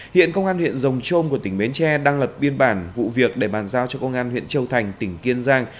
hiện công an huyện rồng trôm của tỉnh bến tre đang lập biên bản vụ việc để bàn giao cho công an huyện châu thành tỉnh kiên giang